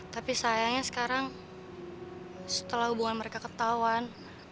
tapi sayangnya sekarang setelah hubungan mereka ketahuan